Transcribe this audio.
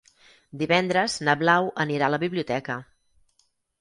Divendres na Blau anirà a la biblioteca.